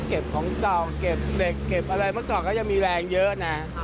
เก็บของเก่าเก็บเหล็กเก็บอะไรเมื่อก่อนก็จะมีแรงเยอะนะ